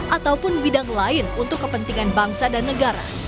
ataupun bidang lain untuk kepentingan bangsa dan negara